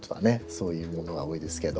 そういうものが多いですけど。